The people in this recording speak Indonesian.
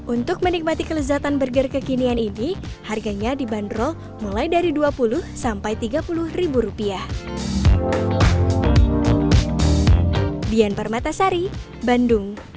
untuk menikmati kelezatan burger kekinian ini harganya dibanderol mulai dari dua puluh sampai tiga puluh ribu rupiah